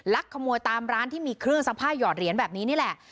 ขโมยตามร้านที่มีเครื่องซักผ้าหยอดเหรียญแบบนี้นี่แหละ